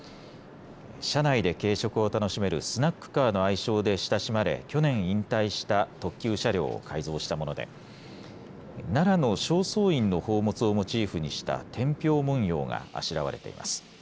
車内で軽食を楽しめるスナックカーの愛称で親しまれ、去年引退した特急車両を改造したもので、奈良の正倉院の宝物をモチーフにした天平文様があしらわれています。